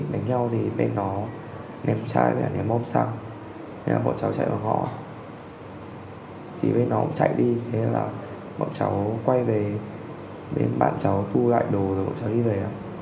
thế là bọn cháu quay về bên bạn cháu thu lại đồ rồi bọn cháu đi về